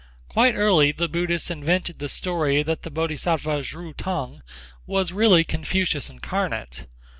Quite early the Buddhists invented the story that the Bodhisattva Ju T'ung was really Confucius incarnate.